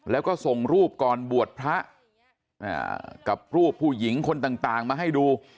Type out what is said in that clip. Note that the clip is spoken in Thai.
แล้วก็ส่งรูปก่อนบวชพระกับรูปผู้หญิงคนต่างมาให้ดู